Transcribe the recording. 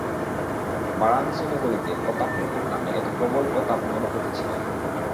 বারাণসী নগরীতে প্রতাপমুকুট নামে এক প্রবলপ্রতাপ নরপতি ছিলেন।